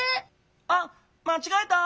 あっまちがえた！